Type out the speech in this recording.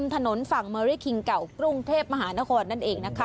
ถนนฝั่งเมอรี่คิงเก่ากรุงเทพมหานครนั่นเองนะคะ